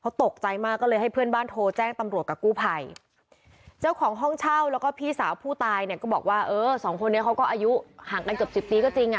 เขาตกใจมากก็เลยให้เพื่อนบ้านโทรแจ้งตำรวจกับกู้ภัยเจ้าของห้องเช่าแล้วก็พี่สาวผู้ตายเนี่ยก็บอกว่าเออสองคนนี้เขาก็อายุห่างกันเกือบสิบปีก็จริงอ่ะ